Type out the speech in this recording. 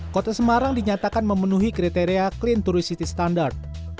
kota semarang dinyatakan memenuhi kriteria clean tourist city standard